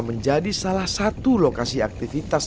menjadi salah satu lokasi aktivitas